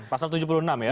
pasal tujuh puluh enam ya